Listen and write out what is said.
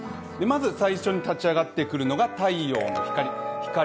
まず最初に立ち上がってくるのが太陽の光。